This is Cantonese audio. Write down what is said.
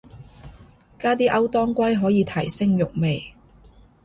加啲歐當歸可以提升肉味